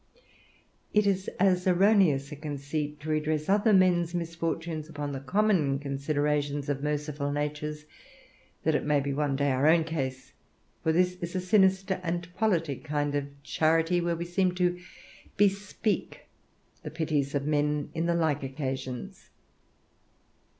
It is as erroneous a conceit to redress other men's misfortunes upon the common considerations of merciful natures, that it may be one day our own case; for this is a sinister and politic kind of charity, whereby we seem to bespeak the pities of men in the like occasions.